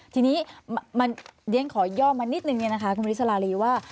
ทีนี้เรียกขอย่อมมานิดหนึ่งคุณวัลิสราลีว่า